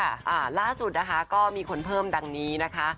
อ่าล่าสุดนะคะก็มีคนเพิ่มดังนี้นะคะ